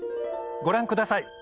ご覧ください